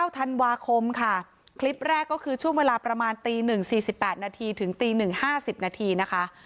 ธันวาคมค่ะคลิปแรกก็คือช่วงเวลาประมาณตี๑๔๘นาทีถึงตี๑๕๐นาทีนะคะ